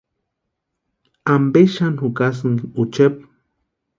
¿Ampe xani jukasïnki ochepu?